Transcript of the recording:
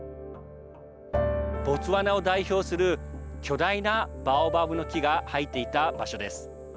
ボツワナを代表する巨大なバオバブの木が生えていた場所です。